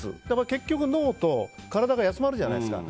結局、脳と体が休まるじゃないですか。